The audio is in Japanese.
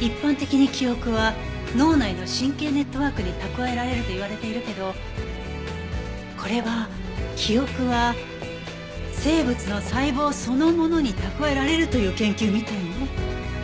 一般的に記憶は脳内の神経ネットワークに蓄えられるといわれているけどこれは記憶は生物の細胞そのものに蓄えられるという研究みたいね。